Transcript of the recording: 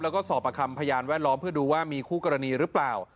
แล้วก็สอบประคำพยานแวดล้อมเพื่อดูว่ามีคู่กรณีหรือเปล่า